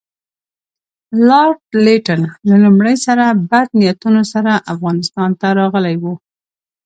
لارډ لیټن له لومړي سره بد نیتونو سره افغانستان ته راغلی وو.